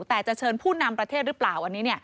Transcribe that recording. แต่จะเชิญผู้นำประเทศหรือเปล่าอันนี้